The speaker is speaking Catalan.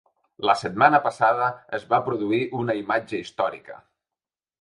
La setmana passada es va produir una imatge històrica.